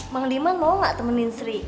mang diman mau gak temenin seri